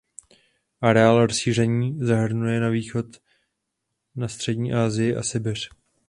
Areál rozšíření zasahuje na východ na střední Asii a Sibiř.